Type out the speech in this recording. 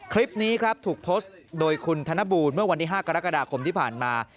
คลิปนี้ครับถูกโพสต์โดยคุณธนบูลเมื่อวันที่๕กรกฎาคมที่ผ่านมา